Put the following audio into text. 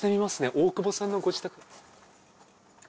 大久保さんのご自宅。